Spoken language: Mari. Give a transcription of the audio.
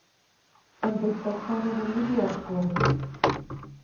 Ынде Токтаровым нигӧ ок колышт.